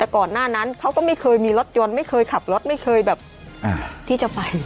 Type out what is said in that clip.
ขับรถไม่เคยแบบที่จะไป